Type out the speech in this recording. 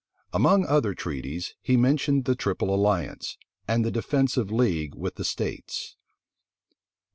Among other treaties, he mentioned the triple alliance, and the defensive league with the states.